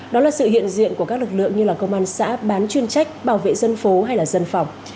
đó là sự hiện diện của các lực lượng như là công an xã bán chuyên trách bảo vệ dân phố hay là dân phòng